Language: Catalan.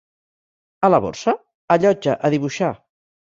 A la Borsa? A Llotja, a dibuixar.